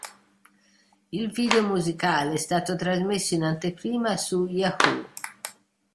Il video musicale è stato trasmesso in anteprima su Yahoo!